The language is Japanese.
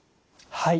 はい。